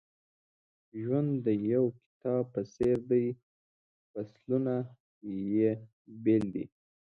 ژوند د یو کتاب په څېر دی فصلونه یې بېل دي.